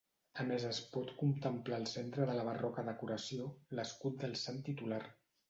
A més es pot contemplar al centre de la barroca decoració l'escut del Sant titular.